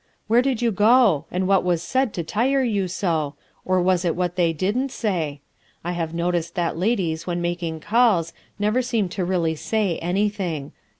Where did you go ? and what was said to tire you so ? or was it what they didn't say? I have noticed that ladies when making calls never seem to really say anything.